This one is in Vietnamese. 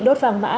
đốt vàng mã